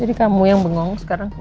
jadi kamu yang bengong sekarang kenapa